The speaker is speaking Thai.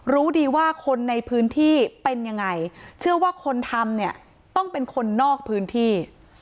รู้ดีว่าคนในพื้นที่เป็นยังไงเชื่อว่าคนทำเนี่ยต้องเป็นคนนอกพื้นที่